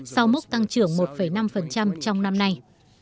sau mức tăng trưởng một năm trong năm nay